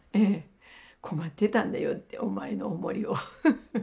困ってたんだよってお前のお守りを。